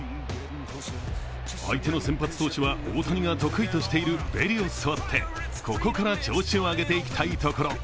相手の先発投手は大谷が得意としているベリオスとあってここから調子を上げていきたいところ。